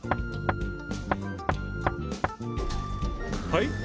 はい？